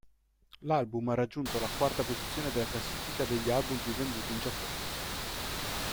L'album ha raggiunto la quarta posizione della classifica degli album più venduti in Giappone.